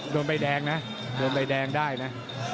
ลงไปแดงนะลงไปแดงได้นะ